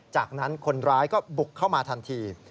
จากนั้นคนร้ายก็บุกเข้ามาทันที